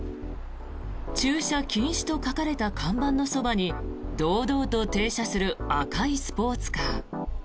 駐車禁止と書かれた看板のそばに堂々と停車する赤いスポーツカー。